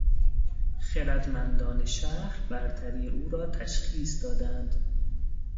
خردمندان شهر برتری او را تشخیص دادند.